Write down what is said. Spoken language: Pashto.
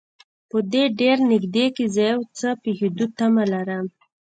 په دې ډېر نږدې کې زه د یو څه پېښېدو تمه لرم.